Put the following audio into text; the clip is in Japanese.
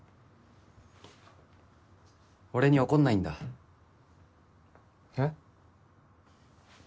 俺に怒んないんだえっ？